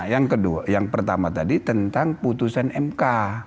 yang kedua yang pertama tadi tentang putusan mk